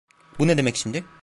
Bu ne demek şimdi?